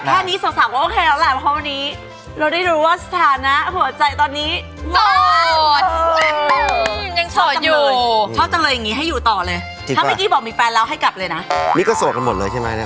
แค่นี้สอบถามโอเคหล่ะล่ะเพราะว่าพอวันนี้เราได้รู้ว่าสถานะหัวใจตอนนี้